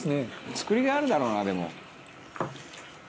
「作りがいあるだろうなでも」